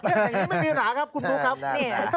อย่างนี้ไม่มีหรอกครับคุณปู๊ครับ